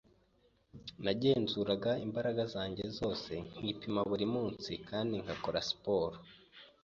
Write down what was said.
Nagenzuraga imbaraga zanjye zose, nkipima buri munsi kandi nkakora sport.